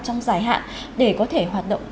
trong dài hạn để có thể hoạt động